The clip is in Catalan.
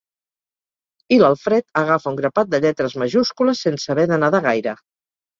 I l'Alfred agafa un grapat de lletres majúscules sense haver de nedar gaire.